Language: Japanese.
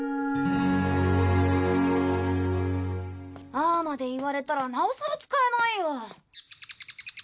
ああまで言われたらなおさら使えないよ。